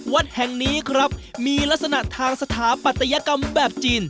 วัดแห่งนี้ครับมีลักษณะทางสถาปัตยกรรมแบบจีน